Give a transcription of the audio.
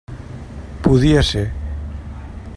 Podia ser.